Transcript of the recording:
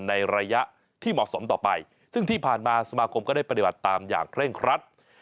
ในระยะที่เหมาะสมต่อไปซึ่งที่ผ่านมาสมาคมก็ได้ปฏิบัติตามอย่างเคร่งครัด